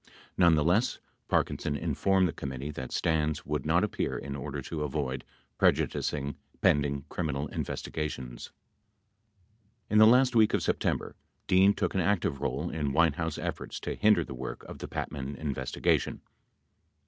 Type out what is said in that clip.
Nonetheless, Parkinson informed the committee that Stans would not appear in order to avoid prejudicing pending criminal investigations. 89 In the last week of September, Dean took an active role in White House efforts to hinder the work of the Patman investigation.